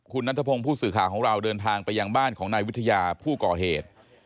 คุณนัทพงศ์ผู้สื่อข่าวของเราเดินทางไปยังบ้านของนายวิทยาผู้ก่อเหตุ